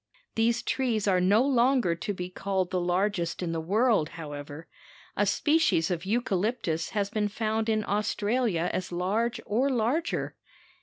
These trees are no longer to be called the largest in the world, however. A species of eucalyptus has been found in Australia as large or larger.